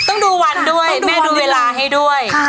ต้องดูวันด้วยแม่ดูเวลาให้ด้วย